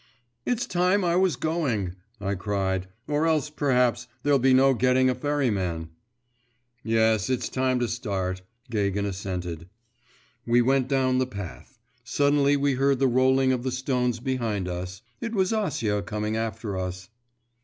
'It's time I was going!' I cried, 'or else perhaps, there'll be no getting a ferryman.' 'Yes, it's time to start,' Gagin assented. We went down the path. Suddenly we heard the rolling of the stones behind us; it was Acia coming after us.